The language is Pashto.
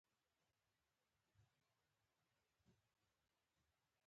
د دغو ډلو لست اوږد دی.